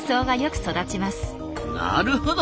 なるほど！